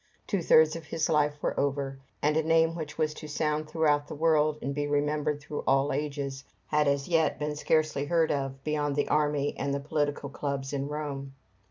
Two thirds of his life were over, and a name which was to sound throughout the world and be remembered through all ages, had as yet been scarcely heard of beyond the army and the political clubs in Rome.